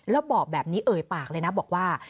แล้วบอกแบบนี้เอ่ยปากเลยนะบอกว่า